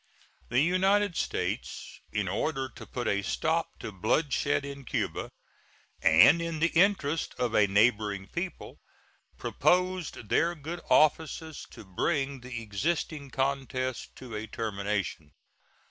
The United States, in order to put a stop to bloodshed in Cuba, and in the interest of a neighboring people, proposed their good offices to bring the existing contest to a termination.